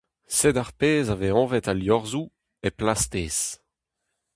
Sed ar pezh a vez anvet al liorzhoù « hep lastez ».